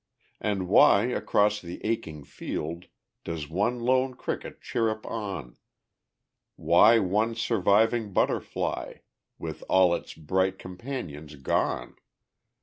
And why, across the aching field, Does one lone cricket chirrup on; Why one surviving butterfly, With all its bright companions gone?